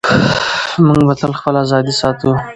موږ به تل خپله ازادي ساتو.